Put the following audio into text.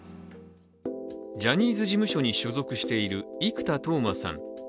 ジャニーズ事務所に所属している生田斗真さん